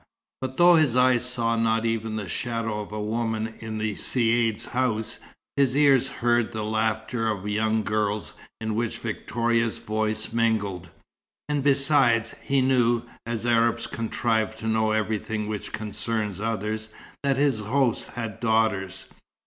But though his eyes saw not even the shadow of a woman in the Caïd's house, his ears heard the laughter of young girls, in which Victoria's voice mingled; and besides, he knew, as Arabs contrive to know everything which concerns others, that his host had daughters.